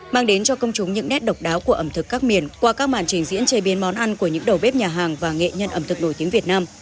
mang đến cho công chúng những nét độc đáo của ẩm thực các miền qua các màn trình diễn chế biến món ăn của những đầu bếp nhà hàng và nghệ nhân ẩm thực nổi tiếng việt nam